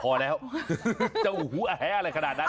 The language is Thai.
พอแล้วเจ้าหูแหอะไรขนาดนั้น